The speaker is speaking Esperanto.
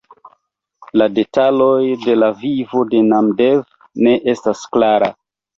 La detaloj de la vivo de Namdev ne estas klara.